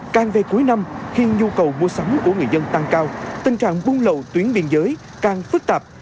càng về cuối năm khi nhu cầu mua sắm của người dân tăng cao tình trạng buôn lậu tuyến biên giới càng phức tạp